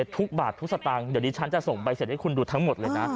ทุกบาททุกสตางค์เดี๋ยวนี้ฉันจะส่งใบเสร็จให้คุณดูทั้งหมดเลยนะ